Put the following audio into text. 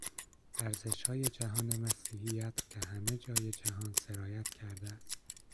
ارزشهای جهان مسیحیت به همه جای جهان سرایت کرده است.